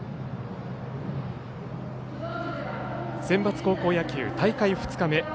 センバツ高校野球大会２日目。